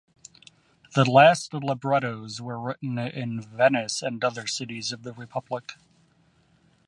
The last librettos were written in Venice and other cities of the Republic.